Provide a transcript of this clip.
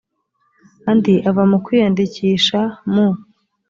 andi ava mu kwiyandikisha mu